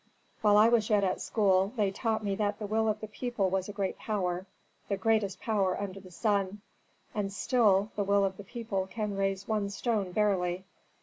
"While I was yet at school they taught me that the will of the people was a great power, the greatest power under the sun. And still the will of the people can raise one stone barely.